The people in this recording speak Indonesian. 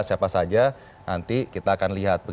siapa saja nanti kita akan lihat